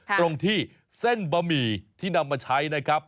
ตรงที่เส้นบะหมี่ที่นำมาใช้นะครับ